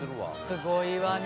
すごいわね。